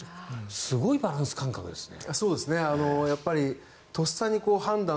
すごいバランス感覚ですね。